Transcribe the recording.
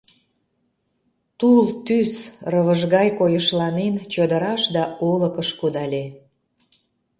Тул тӱс, рывыж гай койышланен, чодыраш да олыкыш кудале.